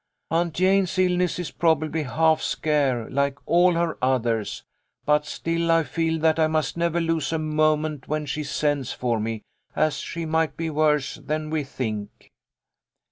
Aunt Jane's illness is probably half scare, like all her others, but still I feel that I must never lose a moment when she sends for me, as she might be worse than we think."